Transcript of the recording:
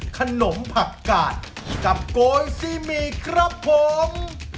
ขนมผักกาดกับโกยซีหมี่ครับผม